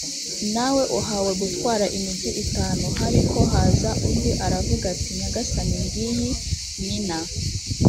nawe uhawe gutwara imigi itanu h ariko haza undi aravuga ati nyagasani ngiyi mina